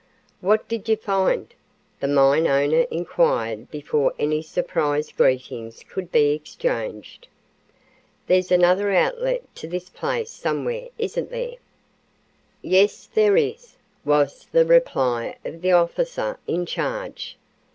"What did you find?" the mine owner inquired before any surprise greetings could be exchanged. "There's another outlet to this place somewhere, isn't there?" "Yes, there is," was the reply of the officer in charge.